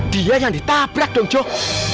dia yang ditabrak dong joh